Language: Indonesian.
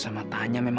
sekarang nanti siapa